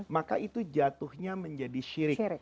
maka itu jatuhnya menjadi syirik